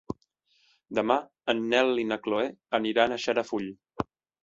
Demà en Nel i na Chloé aniran a Xarafull.